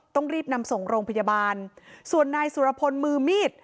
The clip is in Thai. ต้องรีบนำส่งโรงพยาบาลส่วนนายสุรพลมือมีด